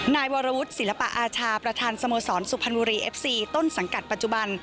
นายวรวุฒิศิลปะอาชาประธานสโมสรสุพรรณบุรีเอฟซีต้นสังกัดปัจจุบัน